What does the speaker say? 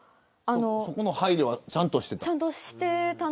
そこの配慮はちゃんとしてた。